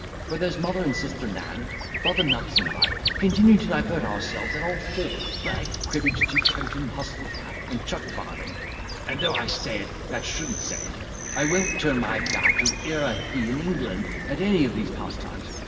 For there's mother and sister Nan, and brother Numps and I, continue to divert ourselves at all fours, brag, cribbage, tetotum, husslecap, and chuck varthing, and, thof I say it, that should n't say it, I won't turn my back to e'er a he in England, at any of these pastimes.